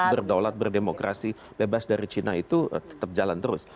berdaulat berdemokrasi bebas dari cina itu tetap jalan terus